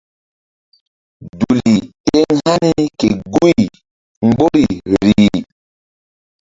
Duli eŋ hani ke guy mgbori rih.